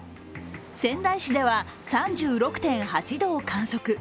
仙台市では３６．８度を観測。